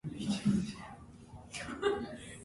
However, false-positives and false-negatives are known.